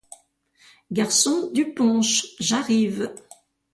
Garçon, du punch !— J’arrive.